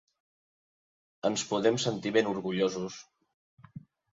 Ens podem sentir ben orgullosos.